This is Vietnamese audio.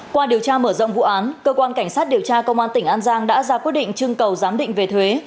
qua điều tra mở rộng vụ án cơ quan cảnh sát điều tra công an tỉnh an giang đã ra quyết định trưng cầu giám định về thuế